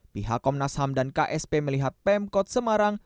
pihak komnas ham dan ksp melihat pemkot semarang